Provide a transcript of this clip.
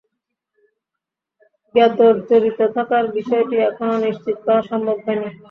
গেতোর জড়িত থাকার বিষয়টি এখনও নিশ্চিত করা সম্ভব হয়নি।